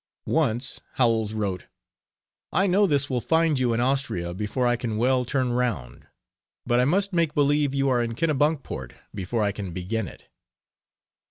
Once Howells wrote: "I know this will find you in Austria before I can well turn round, but I must make believe you are in Kennebunkport before I can begin it."